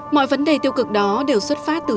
mọi vấn đề tiêu cực đó đều xuất phát từ